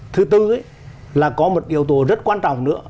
thứ tư là có một yếu tố rất quan trọng nữa